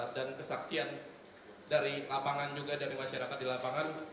dan kesaksian dari lapangan juga dari masyarakat di lapangan